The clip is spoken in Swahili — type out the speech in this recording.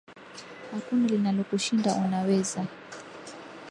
Hakuna linalokushinda unaweza